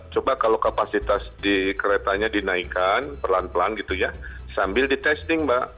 coba kalau kapasitas di keretanya dinaikkan pelan pelan gitu ya sambil di testing mbak